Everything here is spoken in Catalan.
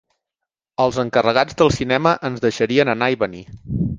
Els encarregats del cinema ens deixarien anar i venir